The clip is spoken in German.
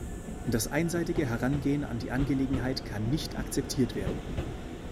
Das einseitige Herangehen an die Angelegenheit kann nicht akzeptiert werden.